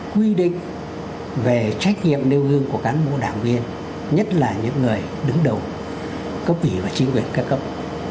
quy định về trách nhiệm nêu gương của cán bộ đảng viên nhất là những người đứng đầu cấp ủy và chính quyền các cấp